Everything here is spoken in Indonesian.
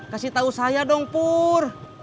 kasih tahu saya dong pur